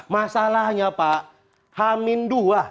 masalahnya pak hamin dua